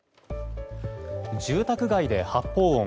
住宅街で発砲音。